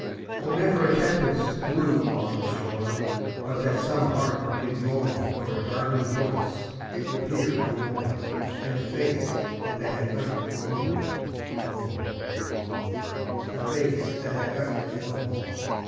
Oh! never a tempest blew on the shore But that some heart did moan For a darling voice it would hear no more And a face that had left it lone, lone, lone A face that had left it lone!